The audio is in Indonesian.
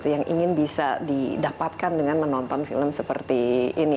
yang ingin bisa didapatkan dengan menonton film seperti ini